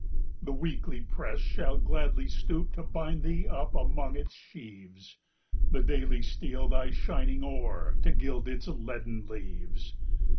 The Weekly press shall gladly stoop To bind thee up among its sheaves; The Daily steal thy shining ore, To gild its leaden leaves.